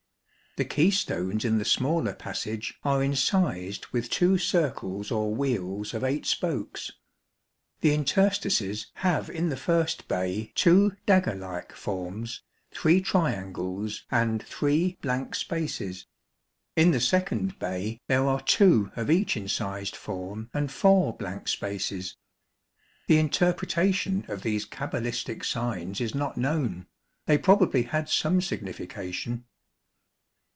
The keystones in the smaller passage are incised with two circles or wheels of eight spokes. The interstices have in the first bay two dagger like forms, three triangles and three blank spaces ; in the second bay there are two of each incised form and four blank spaces. The interpretation of these cabalistic signs is not known, they probably had some signification.